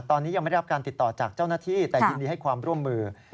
ตอนนี้ยังไม่ได้รับการติดต่อจากเจ้าหน้าที่แต่ยินดีให้ความร่วมมือ